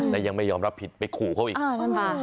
และยังไม่ยอมรับผิดไปขู่เขาอีกอ่านั่นค่ะ